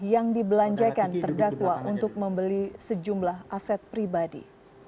yang dibelanjakan terdakwa untuk membeli sejumlah aset pribadi